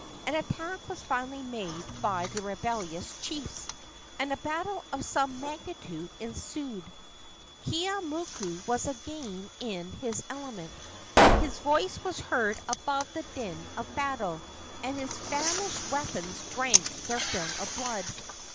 An attack was finally made by the rebellious chiefs, and a battle of some magnitude ensued. Keeaumoku was again in his element. His voice was heard above the din of battle, and his famished weapons drank their fill of blood.